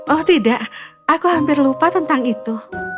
oh tidak aku hampir lupa tentang itu